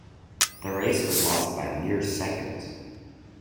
The race was lost by mere seconds.